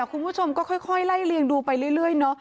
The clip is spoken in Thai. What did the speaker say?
คุณผู้ชมก็ค่อยไล่เลียงดูไปเรื่อยเนอะ